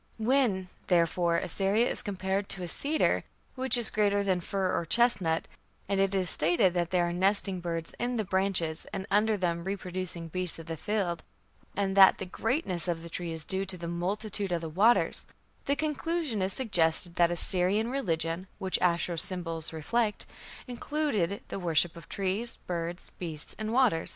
When, therefore, Assyria is compared to a cedar, which is greater than fir or chestnut, and it is stated that there are nesting birds in the branches, and under them reproducing beasts of the field, and that the greatness of the tree is due to "the multitude of waters", the conclusion is suggested that Assyrian religion, which Ashur's symbols reflect, included the worship of trees, birds, beasts, and water.